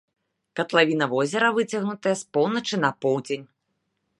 Катлавіна возера выцягнутая з поўначы на поўдзень.